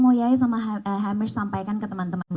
mau yai sama heimis sampaikan ke teman teman